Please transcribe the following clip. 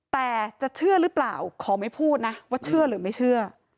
แต่จะเชื่อหรือเปล่าขอไม่พูดนะว่าเชื่อหรือไม่เชื่อ